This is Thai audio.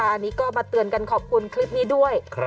อันนี้ก็มาเตือนกันขอบคุณคลิปนี้ด้วย